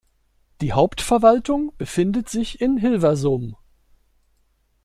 Die Hauptverwaltung befindet sich in Hilversum.